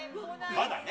まだね。